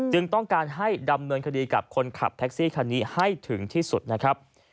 ต้องการให้ดำเนินคดีกับคนขับแท็กซี่คันนี้ให้ถึงที่สุดนะครับ